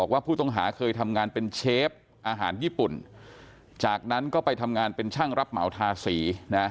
ว่าผู้ต้องหาเคยทำงานเป็นเชฟอาหารญี่ปุ่นจากนั้นก็ไปทำงานเป็นช่างรับเหมาทาสีนะ